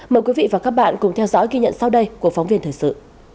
mời quý vị và các bạn cùng theo dõi ghi nhận sau đây của phóng viên thời sự